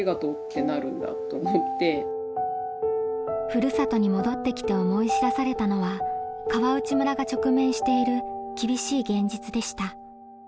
ふるさとに戻ってきて思い知らされたのは川内村が直面している厳しい現実でした。